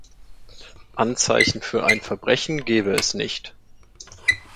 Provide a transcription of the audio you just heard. Anzeichen für ein Verbrechen gebe es nicht.